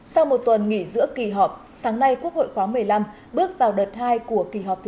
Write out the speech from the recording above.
sau một tuần nghỉ giữa kỳ họp sáng nay quốc hội khóa một mươi năm bước vào đợt hai của kỳ họp thứ tám